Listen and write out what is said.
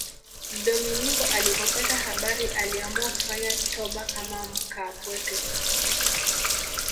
Dominiko alipopata habari aliamua kufanya toba kama mkaapweke.